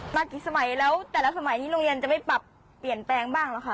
มากี่สมัยแล้วแต่ละสมัยที่โรงเรียนจะไม่ปรับเปลี่ยนแปลงบ้างล่ะค่ะ